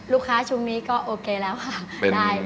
ลูกค้าช่วงนี้ก็โอเคแล้วค่ะ